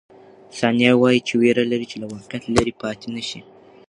ثانیه وايي، وېره لري چې له واقعیت لیرې پاتې نه شي.